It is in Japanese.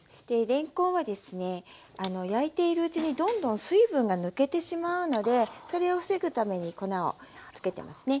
れんこんはですね焼いているうちにどんどん水分が抜けてしまうのでそれを防ぐために粉をつけてますね。